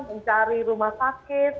mencari rumah sakit